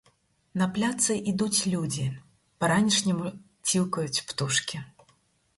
На пляцы ідуць людзі, па-ранішняму ціўкаюць птушкі.